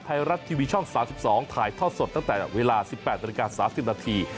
ไทยรัฐทีวีช่อง๓๒ถ่ายทอดสดตั้งแต่เวลา๑๘นาฬิกา๓๐นาที